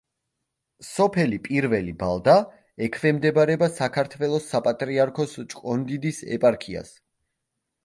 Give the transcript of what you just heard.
სოფელი პირველი ბალდა ექვემდებარება საქართველოს საპატრიარქოს ჭყონდიდის ეპარქიას.